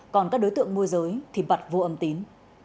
còn các đối tượng môi giới thì bật vô âm tín